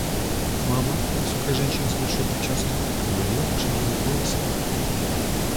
Мама, высокая женщина с большой прической, говорила лошадиным голосом.